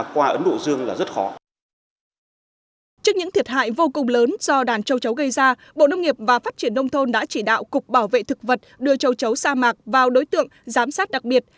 trước những thiệt hại vô cùng lớn do đàn châu chấu gây ra bộ nông nghiệp và phát triển đông thôn đã chỉ đạo cục bảo vệ thực vật đưa châu chấu sa mạc vào đối tượng giám sát đặc biệt